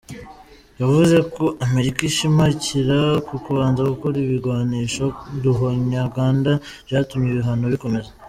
Yavuze ko Amerika ishimikira ku "kubanza gukura ibigwanisho ruhonyanganda" vyatumye "ibihano bikomezwa".